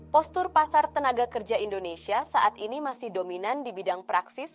postur pasar tenaga kerja indonesia saat ini masih dominan di bidang praksis